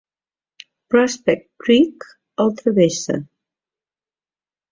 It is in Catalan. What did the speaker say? Prospect Creek el travessa.